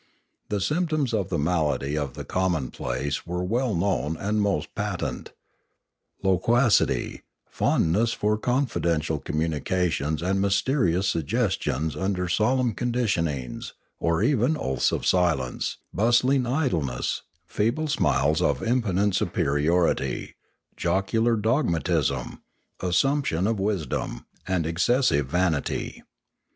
The symptoms of the malady of the commonplace were well known and most patent, — loquacity, fondness for con fidential communications and mysterious suggestions under solemn conditionings, or even oaths of silence, bustling idleness, feeble smiles of impotent superiority, jocular dogmatism, assumption of wisdom, and exces sive vanity.